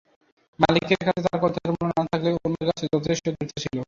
মালিকের কাছে তার কথার মূল্য না থাকলেও অন্যদের কাছে যথেষ্ঠ গুরুত্ব ছিল।